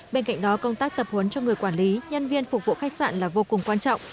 bên cạnh đó công tác tập huấn cho người quản lý nhân viên phục vụ khách sạn là vô cùng quan trọng